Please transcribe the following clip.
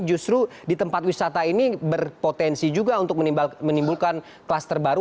justru di tempat wisata ini berpotensi juga untuk menimbulkan kluster baru